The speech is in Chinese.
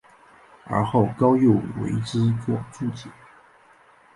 而后高诱为之作注解。